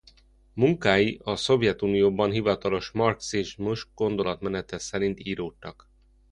Munkái a Szovjetunióban hivatalos marxizmus gondolatmenete szerint íródtak.